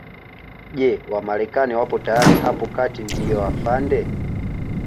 Je Wamarekani wapo tayari hapo kati ndio afande